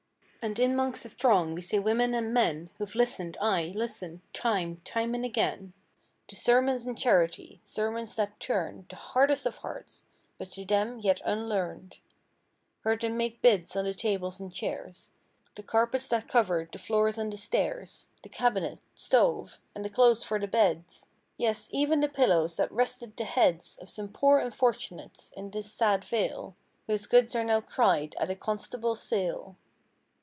And in 'mongst the throng we see women and men Who've listened, aye, listened, time, time and again To sermons on charity—sermon's that turned The hardest of hearts—but to therrij yet un¬ learned— Heard them make bids on the tables and chairs; The carpets that covered the floors and the stairs; The cabinet; stove—and the clothes for the beds; Yes, even the pillows, that rested the heads Of some poor unfortunates in this sad vale, 184 Whose goods are now "cried'* at a "Constable's Sale."